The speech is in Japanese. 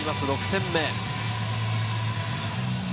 ６点目。